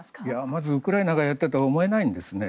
まずウクライナがやったとは思えないんですね。